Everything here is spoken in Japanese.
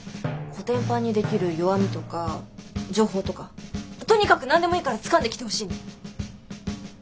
コテンパンにできる弱みとか情報とかとにかく何でもいいからつかんできてほしいの。